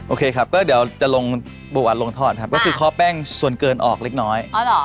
โอเคครับก็เดี๋ยวจะลงบัวลงทอดครับก็คือเคาะแป้งส่วนเกินออกเล็กน้อย